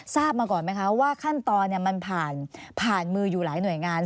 มาก่อนไหมคะว่าขั้นตอนมันผ่านผ่านมืออยู่หลายหน่วยงาน